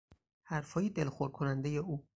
حرفهای دلخور کنندهی او